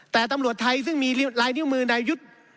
แต่ตำรวจไทยซึ่งมีลายนิ้วมือนายุทธ์